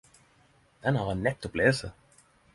Den har eg nettopp lese!